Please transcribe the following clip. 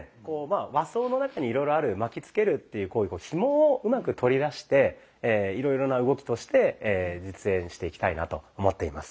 和装の中にいろいろある巻きつけるっていう行為ひもをうまく取り出していろいろな動きとして実演していきたいなと思っています。